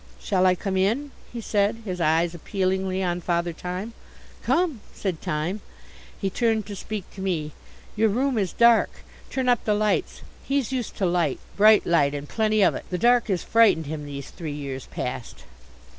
"Shall I come in?" he said, his eyes appealingly on Father Time. "Come," said Time. He turned to speak to me, "Your room is dark. Turn up the lights. He's used to light, bright light and plenty of it. The dark has frightened him these three years past."